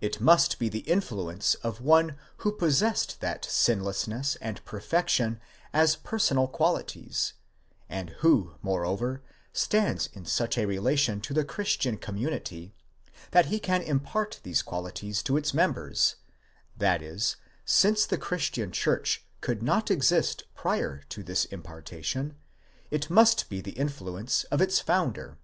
It must be the influence of one who possessed that sinlessness and perfection as personal qualities, and who moreover stands in such a relation to the Christian community, that he can impart these qualities to its members ; that is, since the Christian church could not exist prior to this impartation, it must. be the influence of its founder.